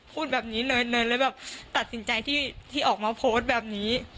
พูดแบบนี้เนยเนยเลยแบบตัดสินใจที่ออกมาโพสต์แบบนี้